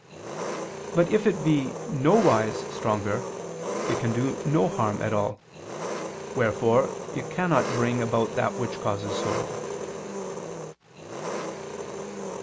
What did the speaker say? But if it be nowise stronger, it can do no harm at all: wherefore it cannot bring about that which causes sorrow.